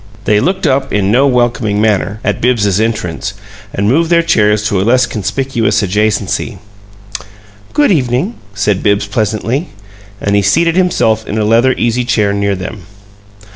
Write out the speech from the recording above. They looked up in no welcoming manner, at Bibbs's entrance, and moved their chairs to a less conspicuous adjacency. "Good evening," said Bibbs, pleasantly; and he seated himself in a leather easy chair near them.